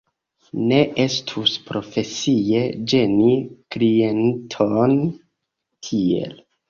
Ne estus profesie ĝeni klienton tiel.